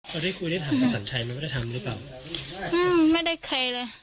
เค้าได้คุยได้ถามภาษาไทยไหมไม่ได้ทำได้เปล่าอืมไม่ได้เคยเลย